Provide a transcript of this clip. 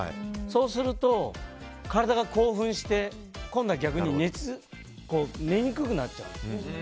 そうすると体が興奮して今度は逆に寝にくくなっちゃうんですね。